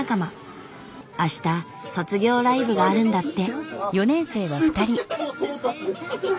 あした卒業ライブがあるんだって。